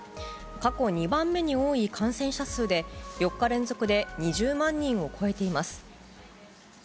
過去２番目に多い感染者数で、４日連続で２０万人を超えています。